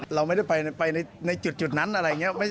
เราไม่ได้ไปในจุดนั้นอะไรอย่างนี้